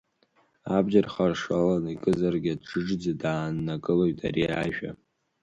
Абџьар харшаланы икызаргьы, дџыџӡа дааннакылоит ари ажәа.